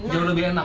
jauh lebih enak